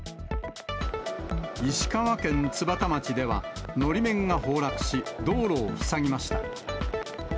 石川県津幡町では、のり面が崩落し、道路を塞ぎました。